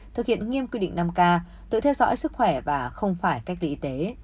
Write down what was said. thực hiện nghiêm quy định năm k tự theo dõi sức khỏe và không phải cách ly y tế